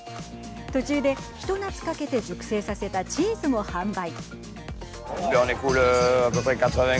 途中で、ひと夏かけて熟成させたチーズも販売。